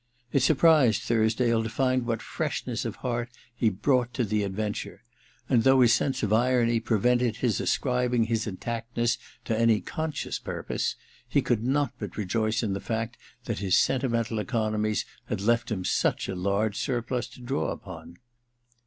' It surprised Thursdale to find what freshness of heart he brought to the adventure ; and though his sense of irony prevented his ascribing his intactness to any conscious purpose, he could but rejoice in the fact that his sentimental, economies had left him such a large surplus to/ draw upon.